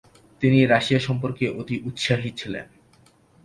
তিনি রাশিয়া সম্পর্কে অতি উৎসাহী ছিলেন।